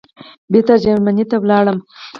بېرته جرمني ته ولاړم.